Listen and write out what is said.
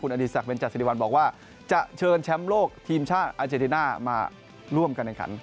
อดีศักดิจสิริวัลบอกว่าจะเชิญแชมป์โลกทีมชาติอาเจนติน่ามาร่วมกันในขัน